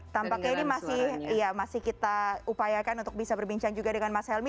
tampaknya ini masih kita upayakan untuk bisa berbincang juga dengan mas helmi